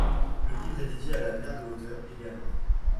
Le livre est dédié à la mère de l'auteur, Eleanor.